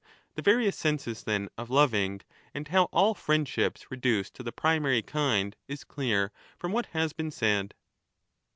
The various senses then of loving, and how all friendships reduce to the primary kind, is clear from what has been said.